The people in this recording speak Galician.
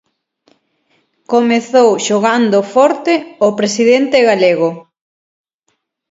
Comezou xogando forte o presidente galego.